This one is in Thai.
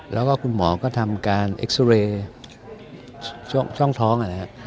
แล้วก็คุณหมอก็ทำการเอ็กซอเรย์ช่องท้องนะครับ